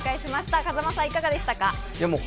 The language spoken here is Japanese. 風間さん、いかがでしたか？